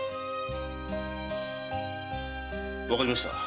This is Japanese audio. わかりました。